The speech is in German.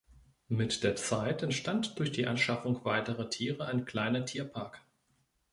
Mit der Zeit entstand durch die Anschaffung weiterer Tiere ein kleiner Tierpark.